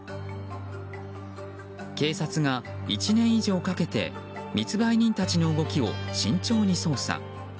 警察が１年以上かけて密売人たちの動きを慎重に捜査。